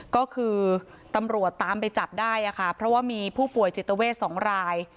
ก็คือตำรวจตามไปจับได้ค่ะเพราะว่ามีผู้ป่วยจิตเวท๒ราย